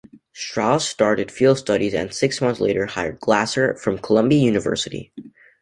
Strauss started field studies and six months later hired Glaser from Columbia University.